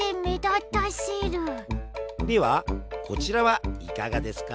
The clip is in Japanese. ではこちらはいかがですか？